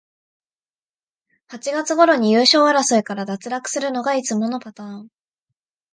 八月ごろに優勝争いから脱落するのがいつものパターン